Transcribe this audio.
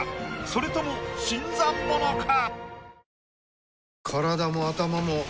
それとも新参者か？